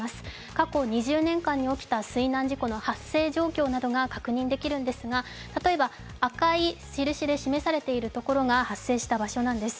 過去２０年間に起きた水難事故の発生状況などが確認できるんですが例えば、赤い印で示されている所が発生した場所なんです。